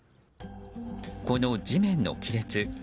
この地面の亀裂。